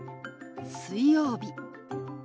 「水曜日」。